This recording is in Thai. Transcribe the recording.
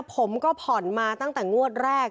ผมก็ผ่อนมาตั้งแต่งวดแรก